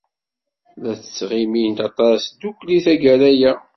La ttɣimint aṭas ddukkli tagara-a.